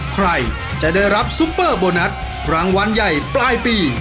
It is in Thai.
ใครจะได้รับซุปเปอร์โบนัสรางวัลใหญ่ปลายปี